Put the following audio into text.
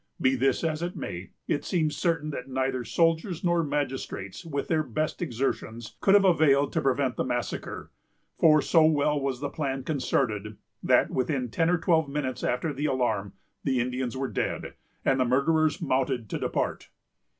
Be this as it may, it seems certain that neither soldiers nor magistrates, with their best exertions, could have availed to prevent the massacre; for so well was the plan concerted, that, within ten or twelve minutes after the alarm, the Indians were dead, and the murderers mounted to depart.